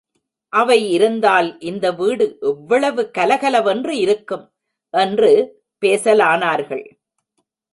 அவை இருந்தால் இந்த வீடு எவ்வளவு கலகலவென்று இருக்கும்! என்று பேசலானார்கள்.